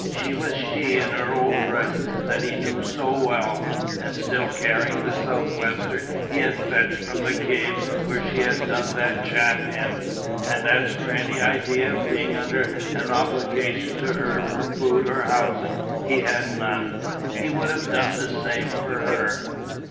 She was She in her old dress that he knew so well, and still carrying the sou'wester he had fetched from the cave where she had done that chap in, and as for any idea of being under an obligation to her for food or housing he had none. He would have done the same for her.